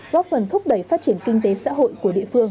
góp phần thúc đẩy phát triển kinh tế xã hội của địa phương